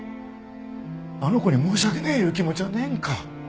あの子に申し訳ねえいう気持ちはねえんか？